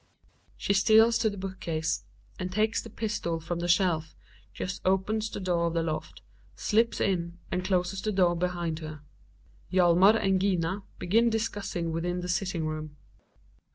She steals to the book case, and takes the pistol from the shelf, just opens the door of the loft, slips in and closes the door behind her. Hjalmar and Gina begin discussing within the sitting room.